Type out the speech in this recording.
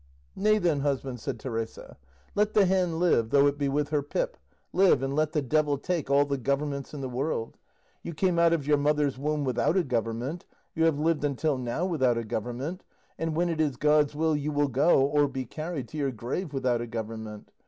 "Nay, then, husband," said Teresa; "let the hen live, though it be with her pip, live, and let the devil take all the governments in the world; you came out of your mother's womb without a government, you have lived until now without a government, and when it is God's will you will go, or be carried, to your grave without a government.